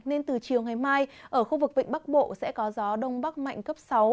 nên từ chiều ngày mai ở khu vực vịnh bắc bộ sẽ có gió đông bắc mạnh cấp sáu